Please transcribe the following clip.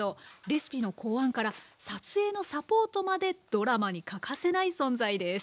レシピの考案から撮影のサポートまでドラマに欠かせない存在です。